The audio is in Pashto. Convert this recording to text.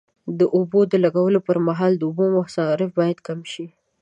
د اوبو د لګولو پر مهال د اوبو مصرف باید کم شي.